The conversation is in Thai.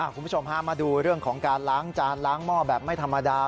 คุณผู้ชมฮะมาดูเรื่องของการล้างจานล้างหม้อแบบไม่ธรรมดา